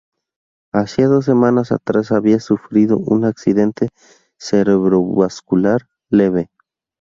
Hacía dos semanas atrás había sufrido un accidente cerebrovascular leve.